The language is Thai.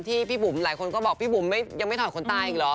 พี่บุ๋มหลายคนก็บอกพี่บุ๋มยังไม่ถอดขนตาอีกเหรอ